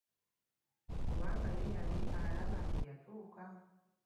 Kubanga ye yali alaba nti yatuuka!